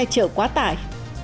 chở quá tải